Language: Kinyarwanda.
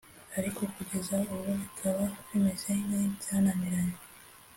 ariko kugeza ubu bikaba bimeze nk’ibyananiranye